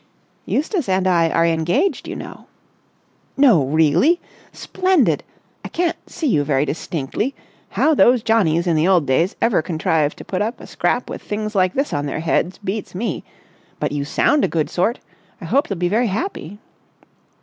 "Eustace and I are engaged, you know!" "No, really? Splendid! I can't see you very distinctly—how those Johnnies in the old days ever contrived to put up a scrap with things like this on their heads beats me—but you sound a good sort. I hope you'll be very happy."